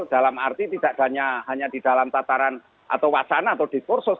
dalam arti tidak hanya di dalam tataran atau wacana atau diskursus